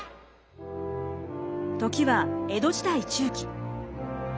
時は江戸時代中期。